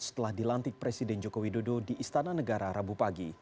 setelah dilantik presiden joko widodo di istana negara rabu pagi